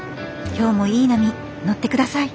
今日もいい波乗ってください！